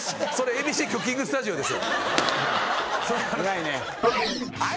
ＡＢＣクッキングスタジオです。